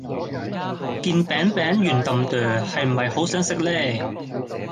件餅餅圓氹朵係唔係好想食呢